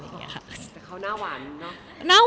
แต่เขาหน้าหวานเนอะ